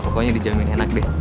pokoknya dijamin enak deh